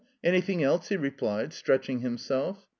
Anything else?" he replied, stretching himself.